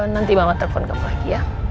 nanti mama telepon ke aku lagi